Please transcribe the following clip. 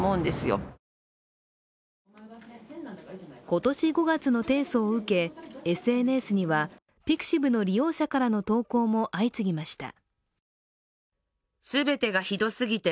今年５月の提訴を受け、ＳＮＳではｐｉｘｉｖの利用者からの投稿も相次ぎました。